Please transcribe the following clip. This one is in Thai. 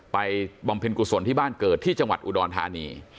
บำเพ็ญกุศลที่บ้านเกิดที่จังหวัดอุดรธานี